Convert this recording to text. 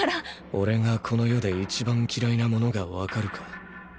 オレがこの世で一番嫌いなものがわかるか？